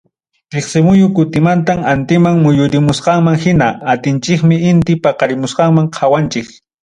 Tiksimuyu kuntimanta antiman muyurimusqanman hina, antinchikpim inti paqarimusqanta qawanchik.